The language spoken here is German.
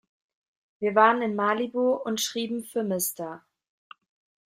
Wir waren in Malibu und schrieben für "Mr.